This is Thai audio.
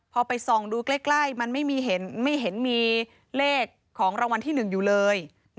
พอไปส่องดูใกล้มันไม่เห็นมีเลขของรางวัลที่๑อยู่เลย